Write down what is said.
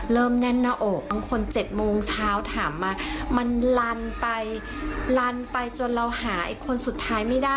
เราหาอีกคนสุดท้ายไม่ได้